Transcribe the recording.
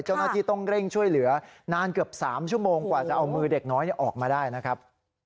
เจ้าหน้าที่ต้องเร่งช่วยเหลือนานเกือบ๓ชั่วโมงกว่าจะเอามือเด็กน้อยออกมาได้นะครับ